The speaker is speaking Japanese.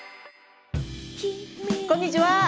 こんにちは。